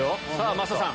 増田さん。